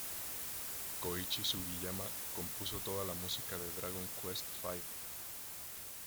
Koichi Sugiyama compuso toda la música de "Dragon Quest V".